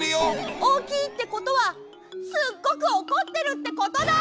おおきいってことはすっごくおこってるってことだ！